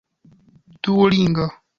duolinga